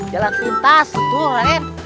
jalan pintas tuh raden